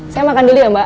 saya makan dulu ya mbak